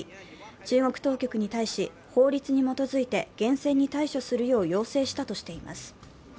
中国当局に対し、法律に基づいて厳正に対処するよう要請したといいます。